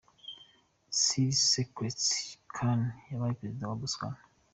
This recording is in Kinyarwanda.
Sir Seretse Khama wabaye Perezida wa Botswana.